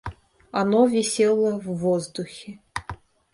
Оно висело в воздухе.